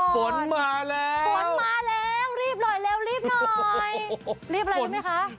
ฝนมาแล้วฝนมาแล้วรีบหน่อยเร็วรีบหน่อยรีบอะไรรู้ไหมคะ